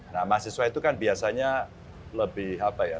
nah mahasiswa itu kan biasanya lebih apa ya